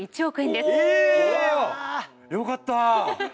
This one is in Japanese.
よかった。